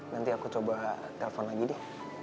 nanti aku coba telpon lagi deh